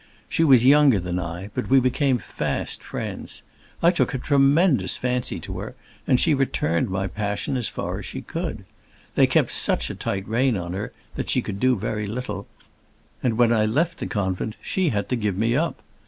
She was younger than I but we became fast friends. I took a tremendous fancy to her, and she returned my passion as far as she could. They kept such a tight rein on her that she could do very little, and when I left the convent she had to give me up.